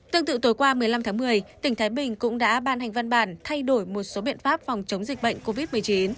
tương tự tối qua một mươi năm tháng một mươi tỉnh thái bình cũng đã ban hành văn bản thay đổi một số biện pháp phòng chống dịch bệnh covid một mươi chín